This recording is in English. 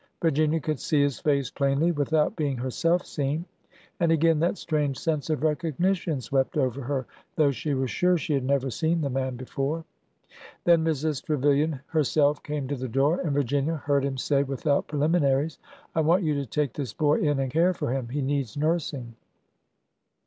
Vir ginia could see his face plainly without being herself seen. And again that strange sense of recognition swept over her, though she was sure she had never seen the man before. Then Mrs. Trevilian herself came to the door, and Vir ginia heard him say without preliminaries, I want you to take this boy in and care for him. He needs nursing."